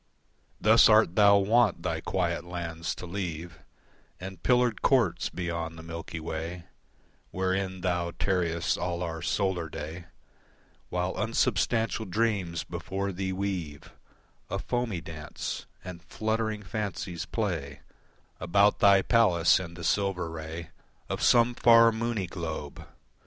Thus art thou wont thy quiet lands to leave And pillared courts beyond the Milky Way, Wherein thou tarriest all our solar day While unsubstantial dreams before thee weave A foamy dance, and fluttering fancies play About thy palace in the silver ray Of some far, moony globe.